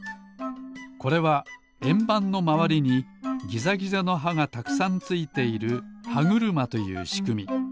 これはえんばんのまわりにギザギザの歯がたくさんついている歯車というしくみ。